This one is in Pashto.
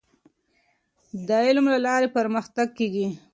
د علم له لارې پرمختګ کیږي.